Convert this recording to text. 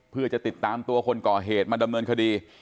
เพื่อจะติดตามตัวคนก่อเหตุมาดำเนินคดี